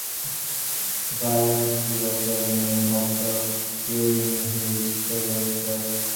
Vielhorsky was travelling in hopes of curing his tuberculosis.